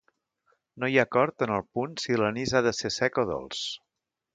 No hi ha acord en el punt si l'anís ha de ser sec o dolç.